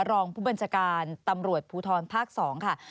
รองผู้บัญชาการตำรวจภูทรภาค๒ค่ะ